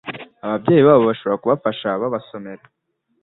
ababyeyi babo bashobora kubafasha babasomera